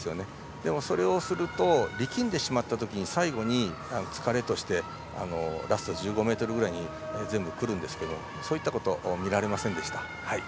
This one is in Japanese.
でも、それをすると力んでしまったときに最後に、疲れとしてラスト１５ｍぐらいに全部くるんですけどそういったことが見られませんでした。